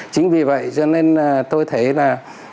chính vì vậy cho nên tôi thấy là